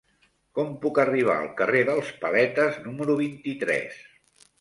Com puc arribar al carrer dels Paletes número vint-i-tres?